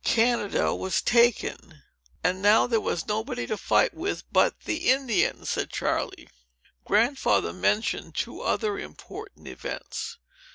Canada was taken!" "And now there was nobody to fight with, but the Indians," said Charley. Grandfather mentioned two other important events.